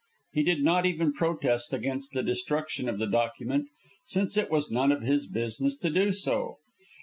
He did not even protest against the destruction of the document, since it was none of his business to do so.